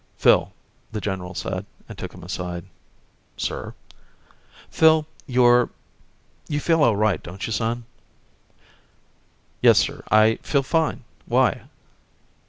"Phil," the general said, and took him aside. "Sir?" "Phil, you're ... you feel all right, don't you, son?" "Yes, sir. I feel fine. Why?"